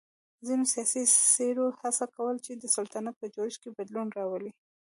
ځینو سیاسی څېرو هڅه کوله چې د سلطنت په جوړښت کې بدلون راولي.